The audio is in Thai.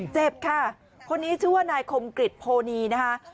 เจ็บค่ะคนนี้ชื่อว่านายคมกริจโพนีนะคะ